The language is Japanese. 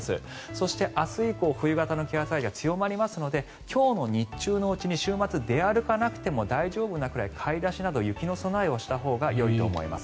そして明日以降冬型の気圧配置が強まりますので今日の日中のうちに週末出歩かなくても大丈夫なくらい買い出しなど雪の備えをしたほうがよいと思います。